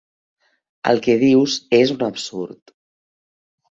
El que dius és un absurd.